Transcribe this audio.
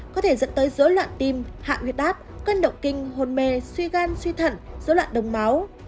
có thể dẫn tới dỗ loạn tim hạ huyết áp cân động kinh hồn mê suy gan suy thận dỗ loạn đồng máu